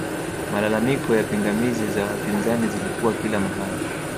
malalamiko na pingamizi za wapinzani zilikuwa kila mahali